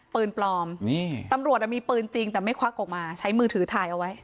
ปืนปลอมนี่ตำรวจมีปืนจริงแต่ไม่ควักออกมาใช้มือถือถ่ายเอาไว้